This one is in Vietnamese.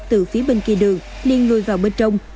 từ phía bên kia đường liên ngồi vào bên trong